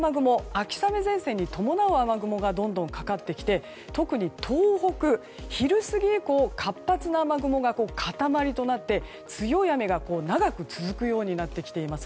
秋雨前線に伴う雨雲がどんどんかかってきて特に東北、昼過ぎ以降活発な雨雲が塊となって強い雨が長く続くようになってきています。